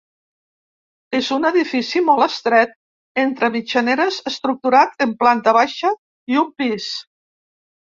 És un edifici molt estret, entre mitjaneres estructurat en planta baixa i un pis.